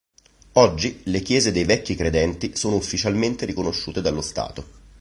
Oggi le chiese dei Vecchi Credenti sono ufficialmente riconosciute dallo Stato.